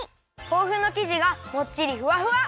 とうふのきじがもっちりふわふわ！